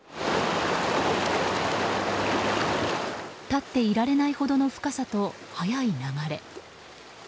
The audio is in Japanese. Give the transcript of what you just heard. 立っていられないほどの深さと速い流れ。